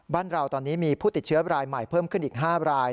บ้านเราตอนนี้มีผู้ติดเชื้อรายใหม่เพิ่มขึ้นอีก๕ราย